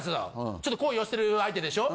ちょっと好意寄せてる相手でしょ。